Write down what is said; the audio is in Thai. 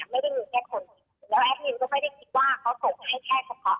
ไม่ได้มีแค่คนแล้วแอดมินก็ไม่ได้คิดว่าเขาส่งให้แค่เฉพาะ